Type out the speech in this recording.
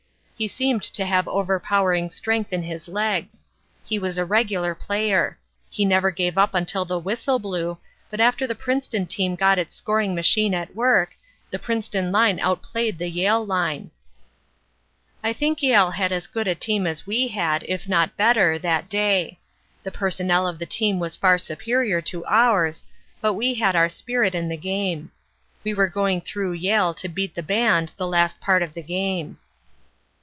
He seemed to have overpowering strength in his legs. He was a regular player. He never gave up until the whistle blew, but after the Princeton team got its scoring machine at work, the Princeton line outplayed the Yale line. "I think Yale had as good a team as we had, if not better, that day. The personnel of the team was far superior to ours, but we had our spirit in the game. We were going through Yale to beat the band the last part of the game."